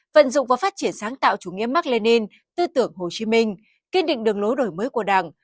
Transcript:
vận dụng và phát triển sáng tạo chủ nghĩa mark lenin tư tưởng hồ chí minh kiên định đường lối đổi mới của đảng